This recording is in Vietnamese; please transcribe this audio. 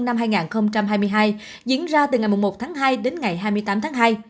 năm hai nghìn hai mươi hai diễn ra từ ngày một tháng hai đến ngày hai mươi tám tháng hai